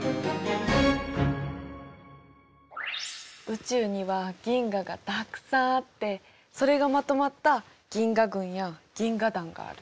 宇宙には銀河がたくさんあってそれがまとまった銀河群や銀河団がある。